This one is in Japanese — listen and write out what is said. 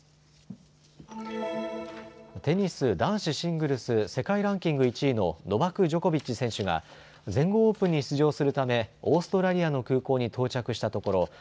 テニス男子シングルス世界ランキング１位のノバク・ジョコビッチ選手が全豪オープンに出場するためオーストラリアの空港に到着したところ